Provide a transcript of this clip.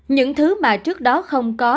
những thứ mà trước đó không có